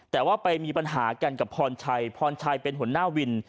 แต่ว่าไปมีปัญหากันกับพรชัยพรชัยเป็นหัวหน้าวิน